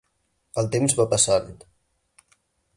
El temps va passant.